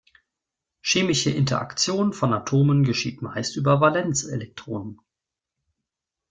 Chemische Interaktion von Atomen geschieht meist über die Valenzelektronen.